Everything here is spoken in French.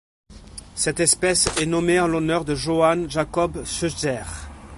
Cette espèce est nommée en l'honneur de Johann Jakob Scheuchzer.